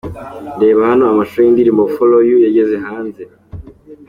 Reba hano amashusho y'indirimbo Follow you yageze hanze.